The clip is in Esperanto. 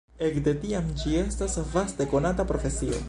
Ekde tiam ĝi estas vaste konata profesio.